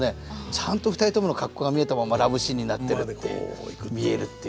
ちゃんと２人ともの格好が見えたままラブシーンになってるっていう見えるっていう。